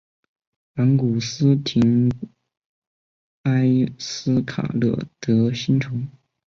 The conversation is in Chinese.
昂古斯廷埃斯卡勒德新城。